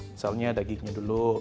misalnya dagingnya dulu